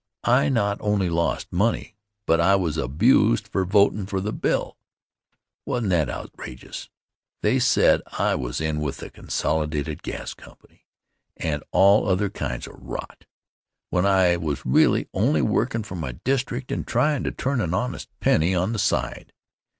I not only lost money, but I was abused for votin' for the bill. Wasn't that outrageous? They said I was in with the Consolidated Gas Company and all other kinds of rot, when I was really only workin' for my district and tryin' to turn an honest penny on the side.